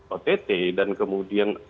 ott dan kemudian